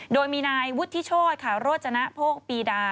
โดยมีนายวุฒิโชธค่ะโรจนโภคปีดา